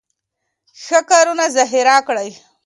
ښه کارونه ذخیره کړئ.